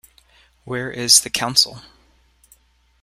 Where is the Council?